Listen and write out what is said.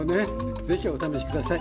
是非お試し下さい。